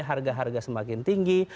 harga harga semakin tinggi